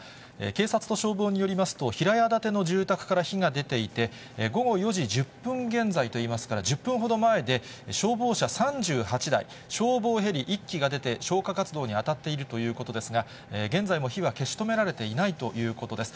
警察と消防によりますと、平屋建ての住宅から火が出ていて、午後４時１０分現在といいますから、１０分ほど前で、消防車３８台、消防ヘリ１機が出て、消火活動に当たっているということですが、現在も火は消し止められていないということです。